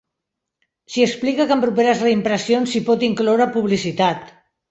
S'hi explica que en properes reimpressions s'hi pot incloure publicitat.